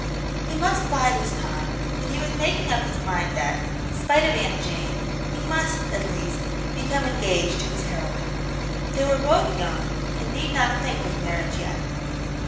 He must bide his time, but he was making up his mind that in spite of Aunt Jane, he must, at least, become engaged to his heroine. They were both young, and need not think of marriage yet.